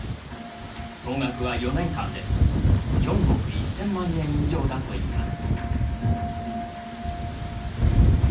総額は、４年間で４億１０００万円以上だといいます。